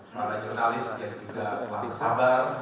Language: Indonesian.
para jurnalis yang juga relatif sabar